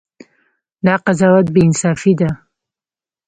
دا قضاوت بې انصافي ده.